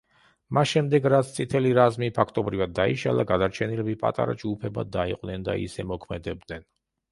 მას შემდეგ, რაც წითელი რაზმი ფაქტობრივად დაიშალა, გადარჩენილები პატარა ჯგუფებად დაიყვნენ და ისე მოქმედებდნენ.